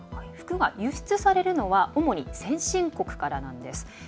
服が輸出されるのは、主に先進国からなんです。